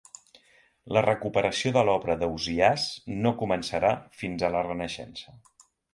La recuperació de l'obra d'Ausiàs no començarà fins a la Renaixença.